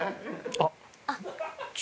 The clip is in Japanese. あっ。